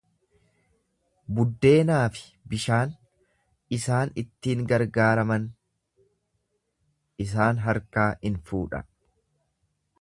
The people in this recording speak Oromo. Buddeenaa fi bishaan isaan ittiin gargaaraman isaan harkaa in fuudha.